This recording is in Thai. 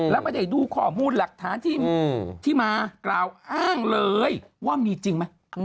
แล้วไม่ได้ดูข้อมูลหลักฐานที่มากล่าวอ้างเลยว่ามีจริงไหม